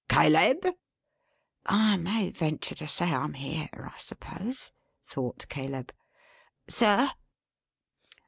Caleb!" "I may venture to say I'm here, I suppose," thought Caleb. "Sir!"